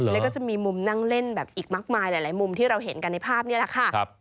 แล้วก็จะมีมุมนั่งเล่นแบบอีกมากมายหลายมุมที่เราเห็นกันในภาพนี้แหละค่ะ